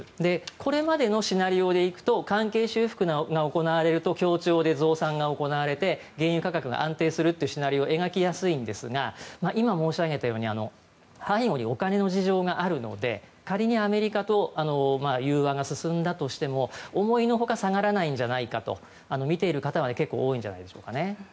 これまでのシナリオで行くと関係修復が行われると協調で増産が行われて原油価格が安定するというシナリオを描きやすいんですが今、申し上げたように背後にお金の事情があるので仮にアメリカと融和が進んだとしても思いのほか下がらないんじゃないかと見ている方は多いんじゃないでしょうか。